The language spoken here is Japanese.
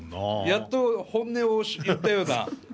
やっと本音を言ったような。